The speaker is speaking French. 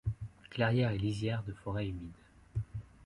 Clairières et lisières de forêts humides.